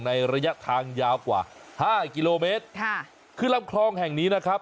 ระยะทางยาวกว่าห้ากิโลเมตรค่ะคือลำคลองแห่งนี้นะครับ